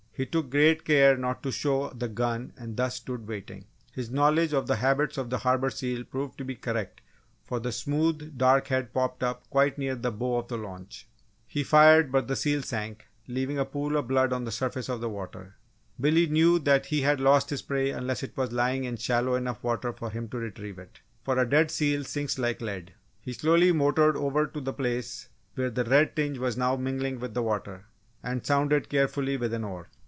He took great care not to show the gun and thus stood waiting. His knowledge of the habits of the Harbour seal proved to be correct for the smooth dark head popped up quite near the bow of the launch. He fired but the seal sank, leaving a pool of blood on the surface of the water. Billy knew that he had lost his prey unless it was lying in shallow enough water for him to retrieve it: for a dead seal sinks like lead. He slowly motored over to the place where the red tinge was now mingling with the water, and sounded carefully with an oar.